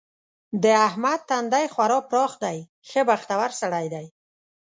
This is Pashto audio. د احمد تندی خورا پراخ دی؛ ښه بختور سړی دی.